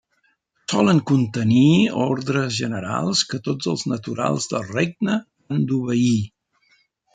Solen contenir ordres generals que tots els naturals del regne han d'obeir.